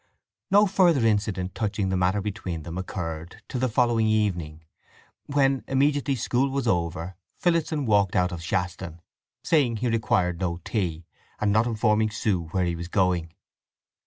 No further incident touching the matter between them occurred till the following evening, when, immediately school was over, Phillotson walked out of Shaston, saying he required no tea, and not informing Sue where he was going.